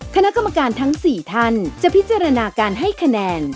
คณะกรรมการทั้ง๔ท่านจะพิจารณาการให้คะแนน